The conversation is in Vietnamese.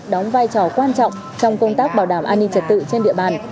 đóng vai trò quan trọng trong công tác bảo đảm an ninh trật tự trên địa bàn